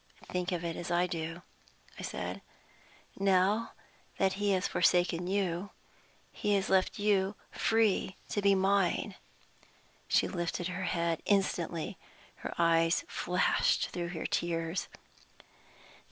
"Think of it as I do," I said. "Now that he has forsaken you, he has left you free to be mine." She lifted her head instantly; her eyes flashed through her tears.